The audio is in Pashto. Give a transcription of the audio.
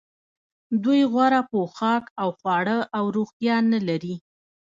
دوی غوره پوښاک او خواړه او روغتیا نلري